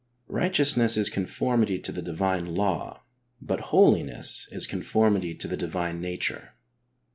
Righteousness is conformity to the divine law, but holiness is conformity to the divine nature.